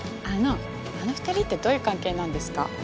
あの２人ってどういう関係なんですか？